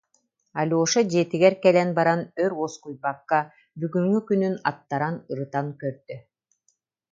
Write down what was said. Алеша дьиэтигэр кэлэн баран өр уоскуйбакка, бүгүҥҥү күнүн аттаран, ырытан көрдө